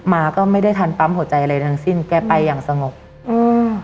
มาก็ไม่ได้ทันปั๊มหัวใจอะไรทั้งสิ้นแกไปอย่างสงบอืม